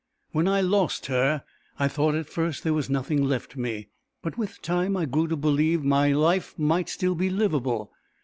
When I lost her, I thought at first there was nothing left me, but with time I grew to believe that life might still be livable.